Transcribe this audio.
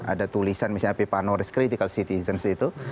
ada tulisan misalnya pipa norris critical citizens itu